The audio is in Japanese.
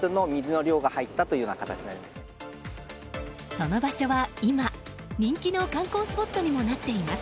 その場所は今人気の観光スポットにもなっています。